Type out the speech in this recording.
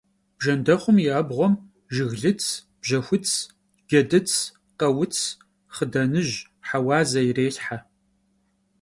Bjjendexhum yi abğuem jjıglıts, bjexuts, cedıts, khauts, xhıdanıj, heuaze yirêlhhe.